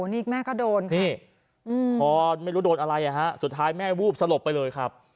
นี่แม่ก็โดนค่ะนี่พอไม่รู้โดนอะไรอ่ะฮะสุดท้ายแม่วูบสลบไปเลยครับ